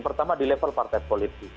pertama di level partai politik